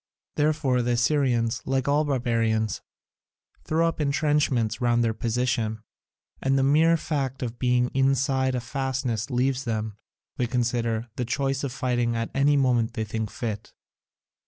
Therefore the Assyrians, like all barbarians, throw up entrenchments round their position, and the mere fact of being inside a fastness leaves them, they consider, the choice of fighting at any moment they think fit.